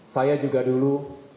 saya juga dulu